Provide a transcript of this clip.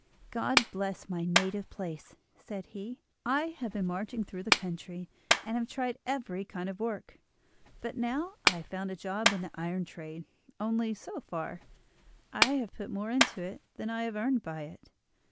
"God bless my native place," said he. "I have been marching through the country, and have tried every kind of work, but now I have found a job in the iron trade; only, so far, I have put more into it than I have earned by it.